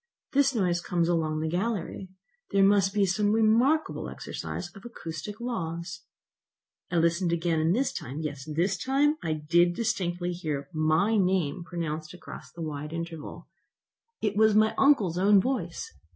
This noise comes along the gallery. There must be here some remarkable exercise of acoustic laws!" I listened again, and this time, yes this time, I did distinctly hear my name pronounced across the wide interval. It was my uncle's own voice!